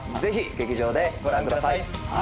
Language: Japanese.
劇場でご覧ください。